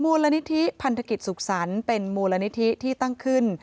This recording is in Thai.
มูลนิธิพันธกิจสุขสรรค์เป็นมูลนิธิที่ตั้งขึ้น